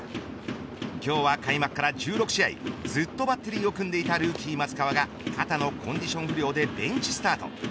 今日は開幕から１６試合ずっとバッテリーを組んでいたルーキー松川が肩のコンディション不良でベンチスタート。